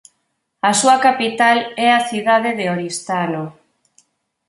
A súa capital é a cidade de Oristano.